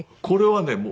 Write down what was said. これはね